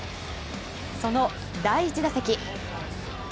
その第１打席。